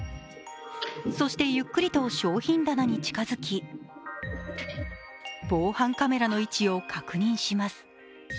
そして、ゆっくりと商品棚に近づき防犯カメラの位置を確認します。